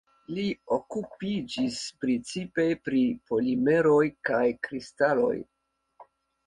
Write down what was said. Li okupiĝis precipe pri polimeroj kaj kristaloj.